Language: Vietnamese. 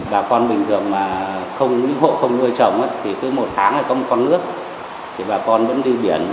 bà con bình thường mà không những hộ không nuôi trồng thì cứ một tháng là có một con nước thì bà con vẫn đi biển